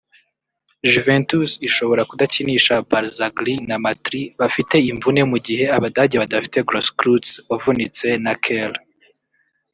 Juventus ishobora kudakinisha Barzagli na Matri bafite imvune mu gihe Abadage badafite Grosskreutz wavunitse na Kehl